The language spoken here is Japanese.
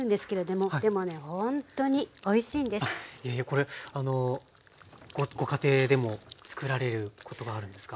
これご家庭でもつくられることがあるんですか？